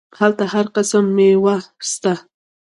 هلته هر قسم ميوه سته.